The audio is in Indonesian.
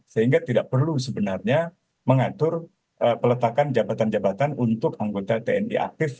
sehingga tidak perlu sebenarnya mengatur peletakan jabatan jabatan untuk anggota tni aktif